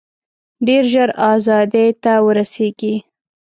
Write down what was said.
ډېر ژر آزادۍ ته ورسیږي.